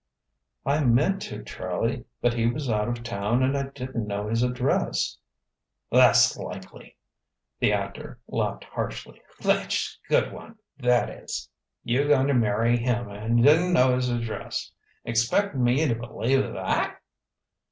_" "I meant to, Charlie, but he was out of town and I didn't know his address." "That's likely!" The actor laughed harshly. "Tha'sh good one, that is! You going to marry him, and didn't know his address. Expect me to believe that?"